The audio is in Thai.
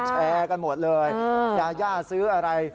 แชร์กันหมดเลยยาย่าซื้ออะไร